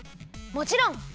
もちろん！